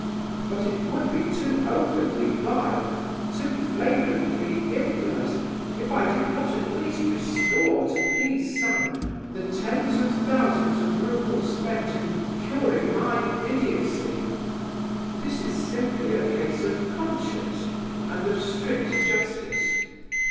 But it would be too openly vile, too flagrantly infamous, if I did not at least restore to P——'s son the tens of thousands of roubles spent in curing my idiocy. This is simply a case of conscience and of strict justice.